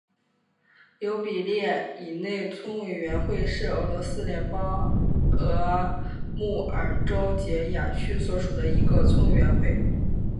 尤比列伊内村委员会是俄罗斯联邦阿穆尔州结雅区所属的一个村委员会。